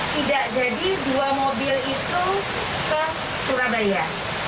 tidak jadi dua mobil itu ke surabaya